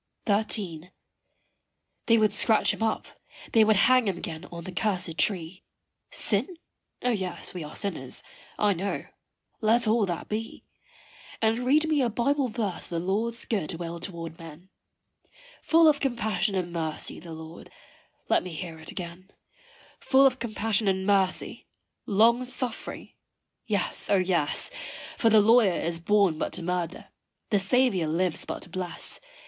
XIII. They would scratch him up they would hang him again on the cursèd tree. Sin? O yes we are sinners, I know let all that be, And read me a Bible verse of the Lord's good will toward men "Full of compassion and mercy, the Lord" let me hear it again; "Full of compassion and mercy long suffering." Yes, O yes! For the lawyer is born but to murder the Saviour lives but to bless.